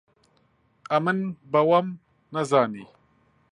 ئەمن بە وەم نەزانی